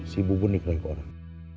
si bubun dikerik orang